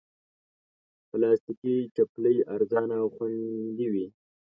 پلاستيکي چپلی ارزانه او خوندې وي.